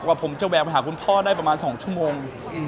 ว่าผมจะแวะไปหาคุณพ่อได้ประมาณ๒ชั่วโมง